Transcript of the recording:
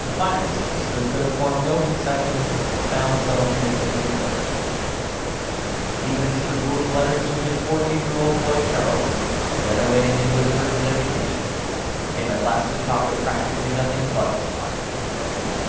The Finance Minister could have formed no conception of the profound subtlety of his revenge. Even Mr. Gould's letters to his fourteen year old boy Charles, then away in England for his education, came at last to talk of practically nothing but the mine.